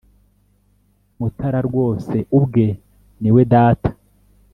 mutara rwose ubwe ni we data